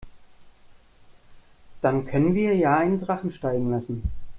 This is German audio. Dann können wir ja einen Drachen steigen lassen.